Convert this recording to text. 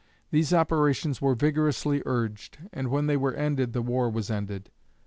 These operations were vigorously urged, and when they were ended the war was ended.